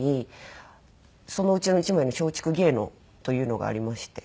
そのうちの１枚に松竹芸能というのがありまして。